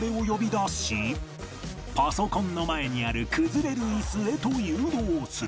パソコンの前にある崩れるイスへと誘導する